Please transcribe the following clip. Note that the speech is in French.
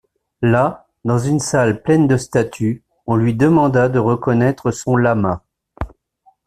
Là, dans une salle pleine de statues, on lui demanda de reconnaître son lama.